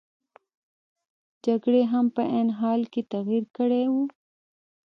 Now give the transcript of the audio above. جګړې هم په عین حال کې تغیر کړی وو.